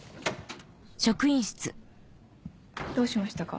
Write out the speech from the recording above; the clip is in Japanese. どうしましたか？